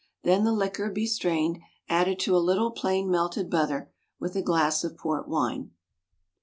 Then the liquor be strained, added to a little plain melted butter with a glass of port wine.